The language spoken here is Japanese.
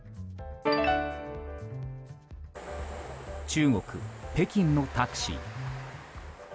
中国・北京のタクシー。